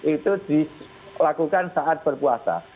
itu dilakukan saat berpuasa